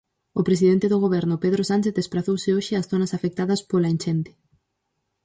O presidente do Goberno, Pedro Sánchez, desprazouse hoxe ás zonas afectadas pola enchente.